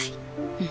うん。